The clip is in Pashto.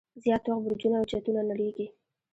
زیات وخت برجونه او چتونه نړیږي.